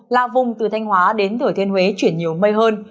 là vùng từ thanh hóa đến thừa thiên huế chuyển nhiều mây hơn